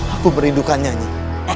aku merindukannya nyik